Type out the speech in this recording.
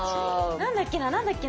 何だっけな？